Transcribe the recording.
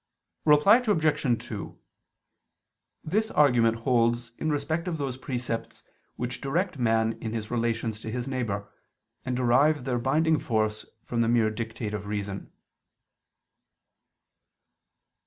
Reply Obj. 2: This argument holds in respect of those precepts which direct man in his relations to his neighbor, and derive their binding force from the mere dictate of reason.